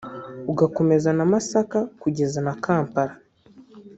ugakomeza na Masaka kugeza na Kampala